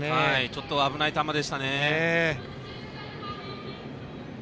ちょっと危ない球でしたね。